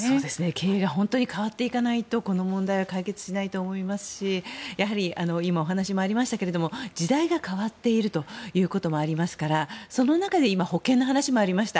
経営が本当に変わっていかないとこの問題は解決しないと思いますしやはり今お話にありましたように時代が変わっているということもありますからその中で今、保険の話もありました。